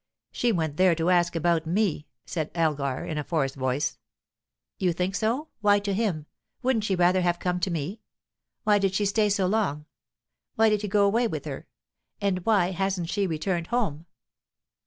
"She went there to ask about me," said Elgar, in a forced voice. "You think so? Why to him? Wouldn't she rather have come to me? Why did she stay so long? Why did he go away with her? And why hasn't she returned home?"